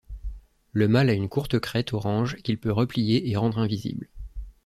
Le mâle a une courte crête orange qu'il peut replier et rendre invisible.